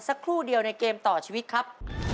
สักครู่เดียวในเกมต่อชีวิตครับ